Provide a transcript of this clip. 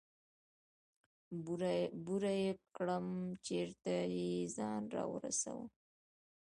بوره يې کړم چېرته يې ځان راورسوه.